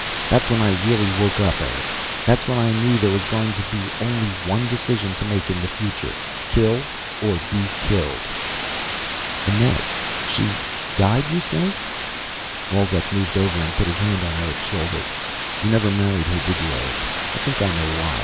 That's when I really woke up, Eric. That's when I knew there was going to be only one decision to make in the future kill or be killed." "Annette. She died, you say?" Wolzek moved over and put his hand on Eric's shoulder. "You never married, did you, Eric? I think I know why.